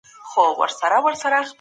که تمرکز ساتل کېږي نو خطا نه ډېره کېږي.